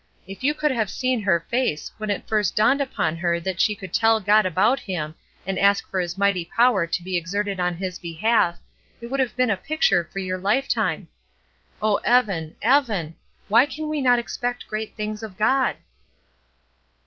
If you could have seen her face when it first dawned upon her that she could tell God about him, and ask for His mighty power to be exerted in his behalf, it would have been a picture for your lifetime. Oh, Evan, Evan, why can we not expect great things of God?"